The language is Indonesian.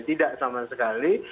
tidak sama sekali